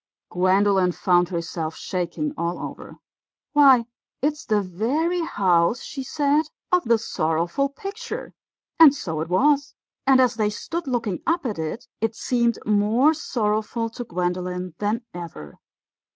Gwendolen found herself shaking all over. "Why, it's the very house," she said, "of the sorrowful picture." And so it was, and as they stood looking up at it, it seemed more sorrowful to Gwendolen than ever.